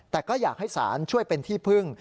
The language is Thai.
แต่ก็อยากให้ศาลช่วยเป็นที่พึ่ง